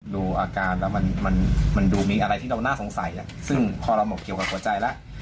ดูอาการแล้วมันดูมีอะไรที่เราน่าสงสัยซึ่งพอเราบอกเกี่ยวกับหัวใจแล้ว